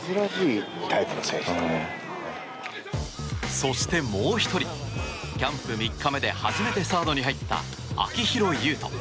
そして、もう１人キャンプ３日目で初めてサードに入った秋広優人。